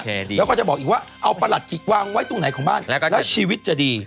แล้วก็จะบอกอีกว่าเอาประหลัดกิกวางไว้ตรงไหนของบ้านแล้วชีวิตจะดี